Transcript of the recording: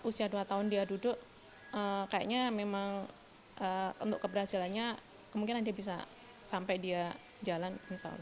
usia dua tahun dia duduk kayaknya memang untuk keberhasilannya kemungkinan dia bisa sampai dia jalan misalnya